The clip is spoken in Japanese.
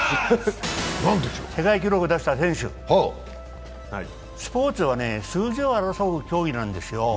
世界記録出した選手スポーツはね、数字を争う競技なんですよ。